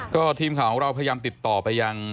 ก็ทีมข่าวของเราพยายามติดต่อไปยัง